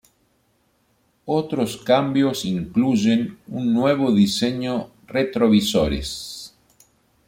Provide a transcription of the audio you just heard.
Otros cambios incluyen un nuevo diseño retrovisores.